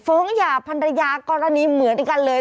ฟ้องหย่าภรรยากรณีเหมือนกันเลย